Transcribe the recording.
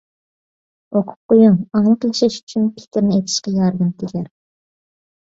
ئوقۇپ قويۇڭ، ئاڭلىق ياشاش ئۈچۈن پىكىرنى ئېچىشقا ياردىمى تېگەر.